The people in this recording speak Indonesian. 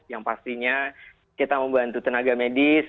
yang pastinya kita membantu tenaga medis